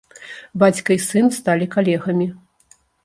Бацька і сын сталі калегамі.